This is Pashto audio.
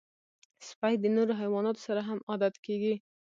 سپي د نورو حیواناتو سره هم عادت کېږي.